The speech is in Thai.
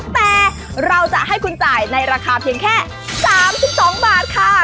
แต่เราจะให้คุณจ่ายในราคาเพียงแค่๓๒บาทค่ะ